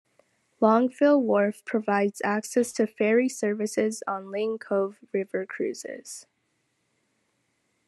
Longueville Wharf provides access to ferry services on Lane Cove River Cruises.